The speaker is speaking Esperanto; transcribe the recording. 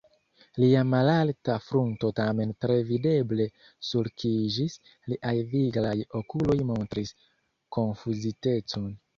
Lia malalta frunto tamen tre videble sulkiĝis, liaj viglaj okuloj montris konfuzitecon.